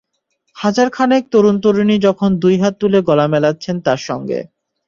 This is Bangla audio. হাজার খানেক তরুণ-তরুণী তখন দুই হাত তুলে গলা মেলাচ্ছেন তাঁর সঙ্গে।